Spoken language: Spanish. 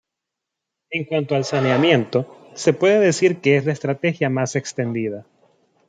En cuanto al Saneamiento, se puede decir que es la estrategia más extendida.